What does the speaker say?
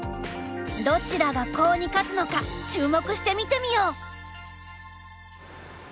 どちらがコウに勝つのか注目して見てみよう。